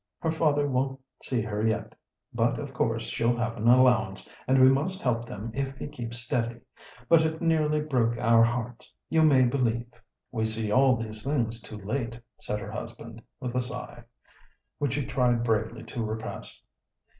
Her father won't see her yet; but of course she'll have an allowance, and we must help them if he keeps steady. But it nearly broke our hearts, you may believe." "We see all these things too late," said her husband, with a sigh, which he tried bravely to repress.